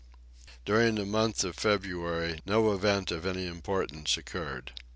During the month of February, no event of any importance occurred.